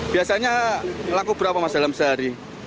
biasanya laku berapa mas dalam sehari